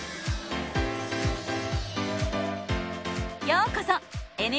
ようこそ！